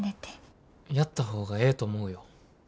やった方がええと思うよ。